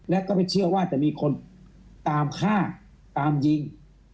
และก็ไม่เชื่อว่าจะมีคนตามฆ่าตามยิง